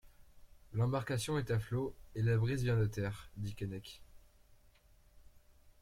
L'embarcation est à flot, et la brise vient de terre, dit Keinec.